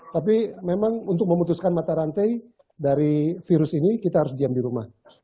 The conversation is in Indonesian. tapi memang untuk memutuskan mata rantai dari virus ini kita harus diam di rumah